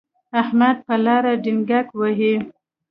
احمد په لاره ډینګګ وهي.